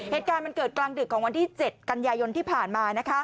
เหตุการณ์มันเกิดกลางดึกของวันที่๗กันยายนที่ผ่านมา